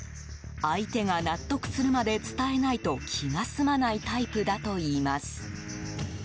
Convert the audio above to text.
相手が納得するまで伝えないと気が済まないタイプだといいます。